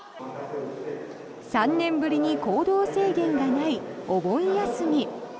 ３年ぶりに行動制限がないお盆休み。